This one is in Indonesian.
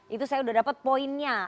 itu saya sudah dapat poinnya